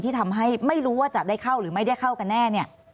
ทำให้ไม่รู้ว่าจะได้เข้าหรือไม่ได้เข้ากันแน่เนี่ย